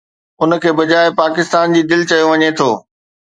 ان کي بجاءِ پاڪستان جي دل چيو وڃي ٿو